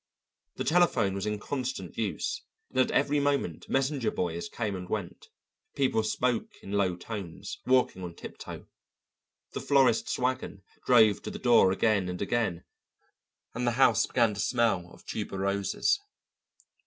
The telephone was in constant use, and at every moment messenger boys came and went, people spoke in low tones, walking on tiptoe; the florist's wagon drove to the door again and again, and the house began to smell of tuberoses.